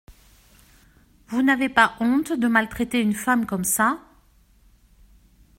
Vous n’avez pas honte de maltraiter une femme comme ça…